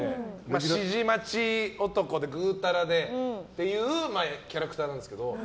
指示待ち男でぐうたらでっていうキャラクターなんですけど。